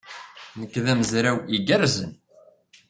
Nekk d amezraw igerrzen.